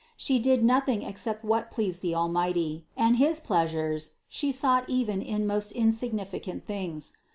She did nothing except what pleased the Almighty, and his pleasures She sought even in most insignificant things.